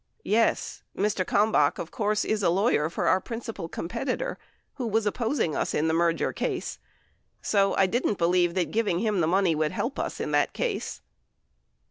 Yes; Mr. Kalmbach, of course, is a lawyer for our principal competitor w T ho was opposing us in the merger case, so I didn't believe that giving him the money would help us in that case.